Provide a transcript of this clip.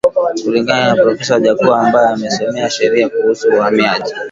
Kulingana na profesa Wajackoya ambaye amesomea sheria kuhusu uhamiaji